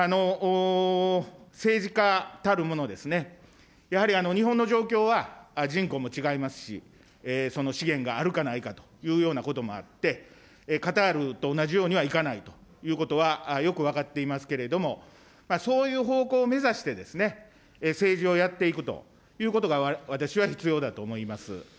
政治家たるもの、やはり日本の状況は人口も違いますし、その資源があるかないかというようなこともあって、カタールと同じようにはいかないということは、よく分かっていますけれども、そういう方向を目指して、政治をやっていくということが私は必要だと思います。